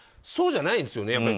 そうじゃないんですよね。